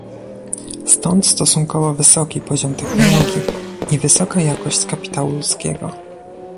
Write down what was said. Stąd stosunkowo wysoki poziom technologii i wysoka jakość kapitału ludzkiego